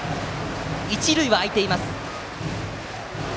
一塁は空いています。